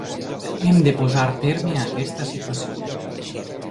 Hem de posar terme a aquesta situació.